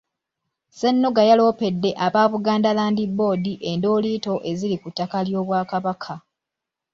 Ssennoga yaloopedde aba Buganda Land Board endooliito eziri ku ttaka ly'Obwakabaka.